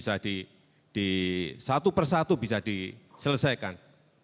satu persatu bisa diselesaikan